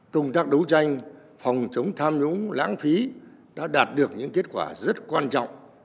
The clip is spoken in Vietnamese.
công tác đấu tranh phòng chống tham nhũng lãng phí đã đạt được những kết quả rất quan trọng